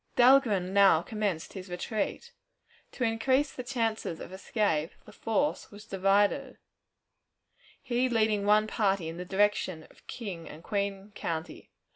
Dahlgren now commenced his retreat. To increase the chances of escape, the force was divided, he leading one party in the direction of King and Queen County.